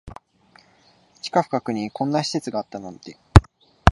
地下深くにこんな施設があったなんて